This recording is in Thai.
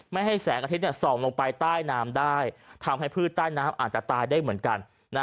ไม่ให้แสงอาทิตย์ส่องลงไปใต้น้ำได้ทำให้พืชใต้น้ำอาจจะตายได้เหมือนกัน